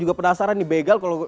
terus mereka biasanya mencegat atau